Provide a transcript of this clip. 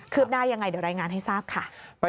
หน้ายังไงเดี๋ยวรายงานให้ทราบค่ะ